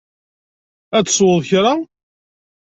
Ad tesweḍ kra?